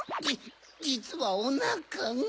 じつはおなかが。